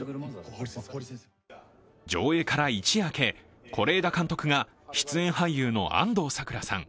上映から一夜明け是枝監督が出演俳優の安藤サクラさん